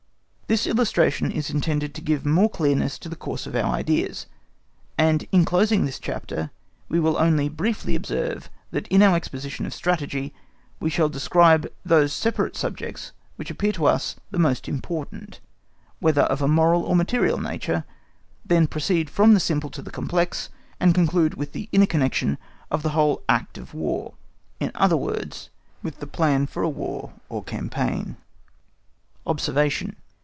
_ This illustration is intended to give more clearness to the course of our ideas, and in closing this chapter we will only briefly observe that in our exposition of Strategy we shall describe those separate subjects which appear to us the most important, whether of a moral or material nature; then proceed from the simple to the complex, and conclude with the inner connection of the whole act of War, in other words, with the plan for a War or campaign. OBSERVATION.